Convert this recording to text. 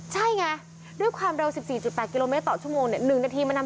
เฮ่ยไกลแล้วน่ะ